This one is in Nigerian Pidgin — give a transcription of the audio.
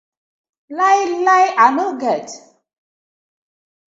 Lai lai I no get.